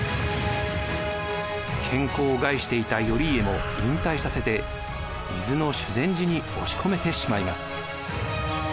健康を害していた頼家も引退させて伊豆の修禅寺に押し込めてしまいます。